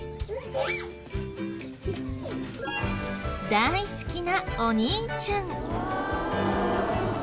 大好きなお兄ちゃん。